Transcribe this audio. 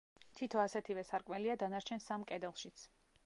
თითო ასეთივე სარკმელია დანარჩენ სამ კედელშიც.